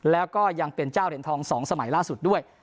แล้วก็ยังเป็นเจ้าเหรียญทอง๒สมัยล่าสุดด้วย